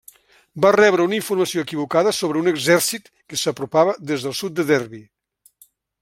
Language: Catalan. Va rebre una informació equivocada sobre un exèrcit que s'apropava des del sud de Derby.